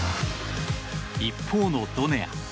一方のドネア。